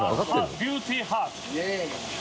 「ビューティーハート」